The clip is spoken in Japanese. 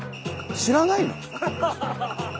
知らないの？